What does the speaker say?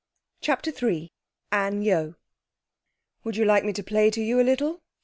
CHAPTER III Anne Yeo 'Would you like me to play to you a little?'